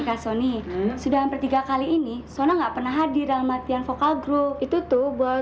ke sony sudah hampir tiga kali ini soalnya enggak pernah hadir dalam latihan vokal grup itu tuh buat